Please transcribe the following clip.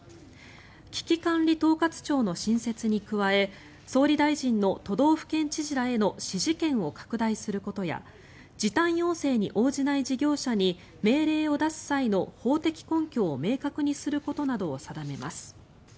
危機管理統括庁の新設に加え総理大臣の、都道府県知事らへの指示権を拡大することや時短要請に応じない事業者に命令を出す際の法的根拠を明確にすることなどを定めます。